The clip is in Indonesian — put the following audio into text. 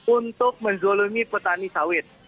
untuk menzolomi petani sawit